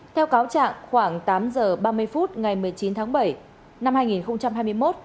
theo cáo trạng khoảng tám giờ ba mươi phút ngày một mươi chín tháng bảy năm hai nghìn hai mươi một